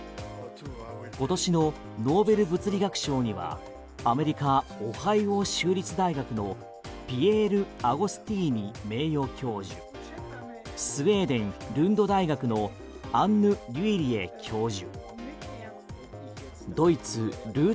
今年のノーベル物理学賞にはアメリカ・オハイオ州立大学のピエール・アゴスティーニ名誉教授スウェーデン・ルンド大学のアンヌ・リュイリエ教授